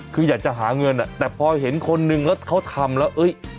คืออยากจะหาเงินแต่พอเห็นคนนึงแล้วเขาทำแล้ว